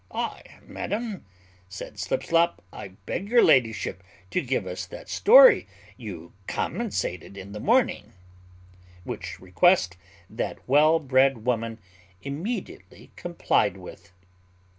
"Aye, madam," said Slipslop, "I beg your ladyship to give us that story you commensated in the morning;" which request that well bred woman immediately complied with.